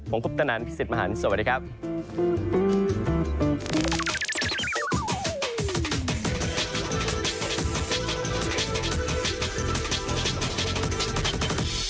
ผมคุปตนันพี่สิทธิ์มหันฯสวัสดีครับ